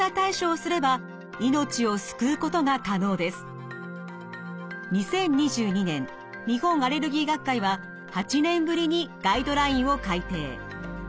アナフィラキシーは２０２２年日本アレルギー学会は８年ぶりにガイドラインを改訂。